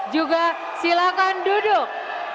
juga silakan duduk